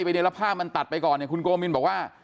ใส่ไปแล้วผ้ามันตัดไปก่อนคุณโกมิลบอกว่า